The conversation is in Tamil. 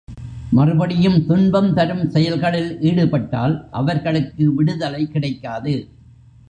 மறுபடியும் துன்பம் தரும் செயல்களில் ஈடுபட்டால் அவர்களுக்கு விடுதலை கிடைக்காது.